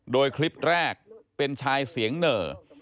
โดยคลิปแรกเป็นชายเสียงเหน่อ